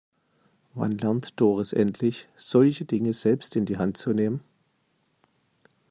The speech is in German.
Wann lernt Doris endlich, solche Dinge selbst in die Hand zu nehmen?